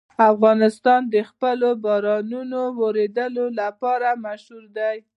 افغانستان د خپلو بارانونو د اورېدو لپاره مشهور دی.